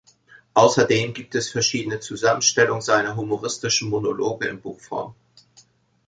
Außerdem gibt es verschiedene Zusammenstellung seiner humoristischen Monologe in Buchform.